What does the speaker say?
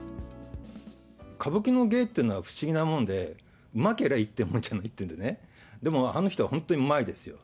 歌舞伎の芸ってのは不思議なもんで、うまけりゃいいってもんじゃないっていうね、でもあの人は本当にうまいですよ。